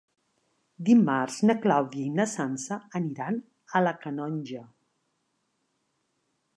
Dimarts na Clàudia i na Sança aniran a la Canonja.